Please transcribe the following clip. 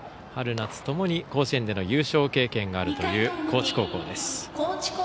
春夏ともに甲子園での優勝経験があるという高知高校。